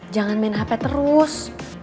jangan main hp terus